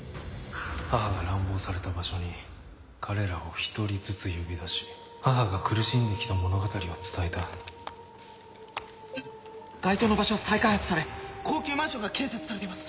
母が乱暴された場所に彼らを一人ずつ呼び出し母が苦しんで来た物語を伝えた該当の場所は再開発され高級マンションが建設されています。